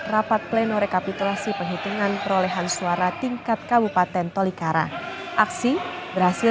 rapat pleno rekapitulasi penghitungan perolehan suara tingkat kabupaten tolikara aksi berhasil